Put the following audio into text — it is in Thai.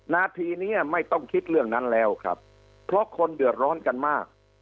นาทีนี้ไม่ต้องคิดเรื่องนั้นแล้วครับเพราะคนเดือดร้อนกันมาก